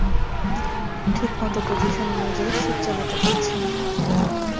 ঠিকমত পজিশন অনুযায়ী শিপ চালাতে পারছি না!